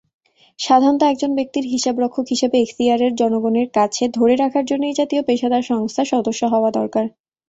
সাধারণত একজন ব্যক্তির হিসাবরক্ষক হিসাবে এখতিয়ারের জনগণের কাছে ধরে রাখার জন্য এই জাতীয় পেশাদার সংস্থার সদস্য হওয়া দরকার।